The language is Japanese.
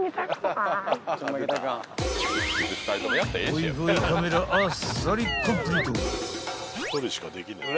［ホイホイカメラあっさりコンプリート］